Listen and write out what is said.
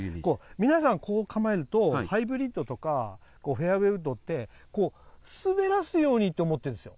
皆さんこう構えるとハイブリッドとかフェアウェーウッドって、滑らすようにって思っているんですよ。